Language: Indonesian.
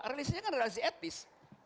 realisinya kan relasi etis